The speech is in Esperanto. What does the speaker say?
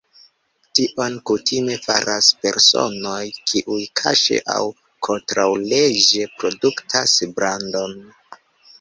Tion kutime faras personoj, kiuj kaŝe aŭ kontraŭleĝe produktas brandon.